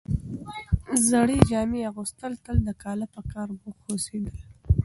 زړې جامې اغوستل تل د کاله په کار بوخت هوسېدل،